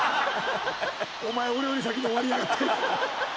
「お前俺より先に終わりやがって」